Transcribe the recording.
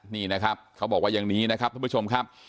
นี่นะครับเขาบอกว่าอย่างนี้นะครับท่านผู้ชมครับ